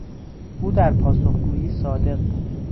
او در پاسخگویی صادق بود.